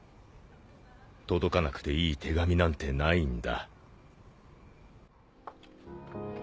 届かなくていい手紙なんてないんだ。